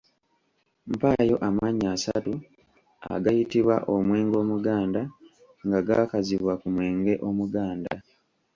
Mpaayo amannya asatu agayitibwa omwenge Omuganda nga gaakazibwa ku mwenge Omuganda.